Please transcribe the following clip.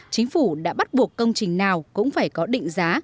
chính phủ đã bắt buộc công trình nào cũng phải có định giá